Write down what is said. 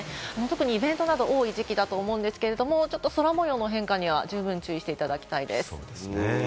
イベントなど多い時期だと思うんですけれども、空模様の変化には十分注意していただきたいです。